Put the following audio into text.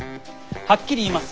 はっきり言います。